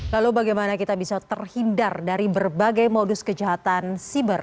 lalu bagaimana kita bisa terhindar dari berbagai modus kejahatan siber